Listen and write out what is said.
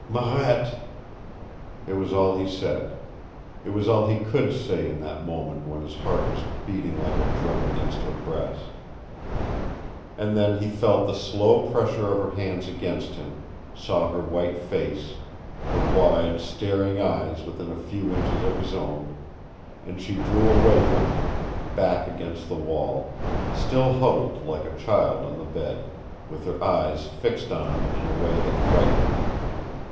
"Marette!" It was all he said. It was all he could say in that moment when his heart was beating like a drum against her breast. And then he felt the slow pressure of her hands against him, saw her white face, her wide, staring eyes within a few inches of his own, and she drew away from him, back against the wall, still huddled like a child on the bed, with her eyes fixed on him in a way that frightened him.